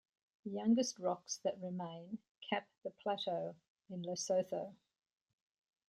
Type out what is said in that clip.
The youngest rocks that remain cap the plateau in Lesotho.